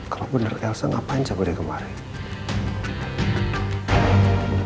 kalau bener elsa ngapain cabutnya kemarin